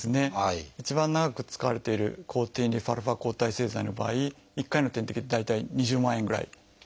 一番長く使われている抗ＴＮＦ−α抗体製剤の場合１回の点滴で大体２０万円ぐらいかかります。